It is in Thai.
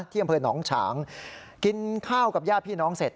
ที่อำเภษน้องฉางกินข้าวกับย่าพี่น้องเสร็จ